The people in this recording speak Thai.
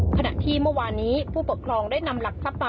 ขณะที่เมื่อวานนี้ผู้ปกครองได้นำหลักทรัพย์